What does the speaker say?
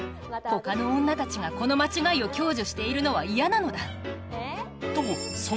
ほかの女たちがこの間違いを享受しているのは嫌なのだ。